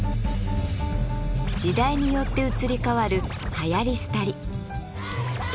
時代によって移り変わるはやり廃り。